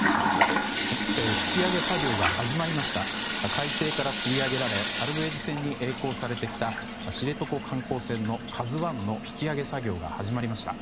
海底からつり上げられサルベージ船に曳航されてきた知床観光船の「ＫＡＺＵ１」の引き揚げ作業が始まりました。